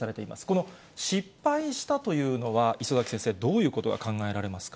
この失敗したというのは、礒崎先生、どういうことが考えられます